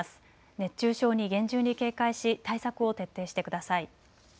熱中症に厳重に警戒し対策を徹底してください。